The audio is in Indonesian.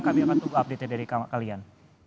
kami akan tunggu update nya dari kalian